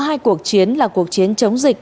hai cuộc chiến là cuộc chiến chống dịch